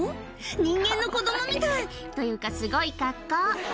人間の子どもみたい、というか、すごい格好。